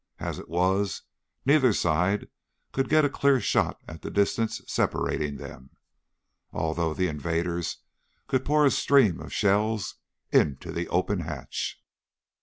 As it was, neither side could get a clear shot at the distance separating them, although the invaders could pour a stream of shells into the open hatch.